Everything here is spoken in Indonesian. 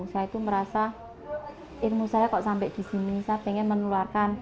saya itu merasa ilmu saya kok sampai di sini saya ingin menularkan